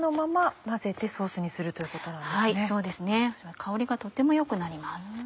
香りがとっても良くなります。